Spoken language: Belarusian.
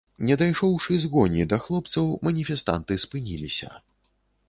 Не дайшоўшы з гоні да хлопцаў, маніфестанты спыніліся.